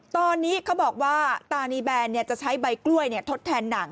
ตอนนี้เขาบอกว่าตานีแบนจะใช้ใบกล้วยทดแทนหนัง